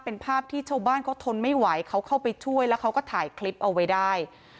เป็นภาพที่ชาวบ้านเขาทนไม่ไหวเขาเข้าไปช่วยแล้วเขาก็ถ่ายคลิปเอาไว้ได้